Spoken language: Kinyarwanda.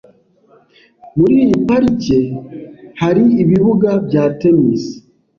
Muri iyi parike hari ibibuga bya tennis .